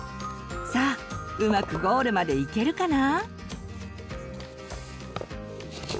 さあうまくゴールまで行けるかな？